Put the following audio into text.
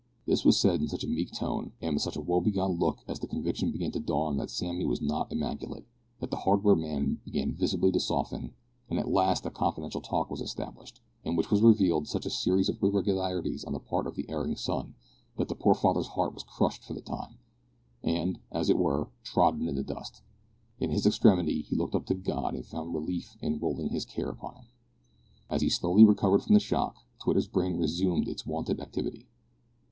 This was said in such a meek tone, and with such a woe begone look as the conviction began to dawn that Sammy was not immaculate that the hardware man began visibly to soften, and at last a confidential talk was established, in which was revealed such a series of irregularities on the part of the erring son, that the poor father's heart was crushed for the time, and, as it were, trodden in the dust. In his extremity, he looked up to God and found relief in rolling his care upon Him. As he slowly recovered from the shock, Twitter's brain resumed its wonted activity.